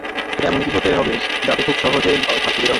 সেটা এমন কিছু হতে হবে, যাতে খুব সহজেই ভুলে যাওয়া যায়।